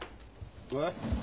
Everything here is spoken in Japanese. えっ？